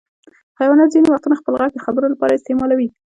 حیوانات ځینې وختونه خپل غږ د خبرو لپاره استعمالوي.